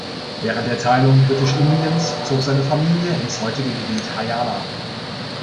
Während der Teilung Britisch-Indiens zog seine Familie ins heutige Gebiet Haryana.